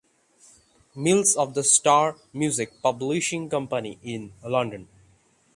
Mills of the Star music publishing company in London.